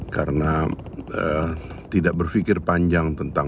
karena tidak berfikir panjang tentang